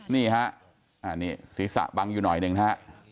นี่ฮะนี่ศีรษะบังอยู่หน่อยหนึ่งนะฮะ